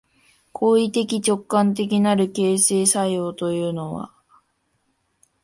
行為的直観的なる形成作用というのは、